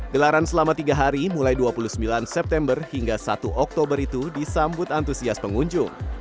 gelaran selama tiga hari mulai dua puluh sembilan september hingga satu oktober itu disambut antusias pengunjung